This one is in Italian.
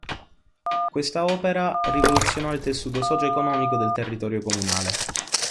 Questa opera rivoluzionò il tessuto socio-economico del territorio comunale.